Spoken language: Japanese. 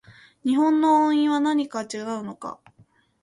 日本語の音韻は何が違うか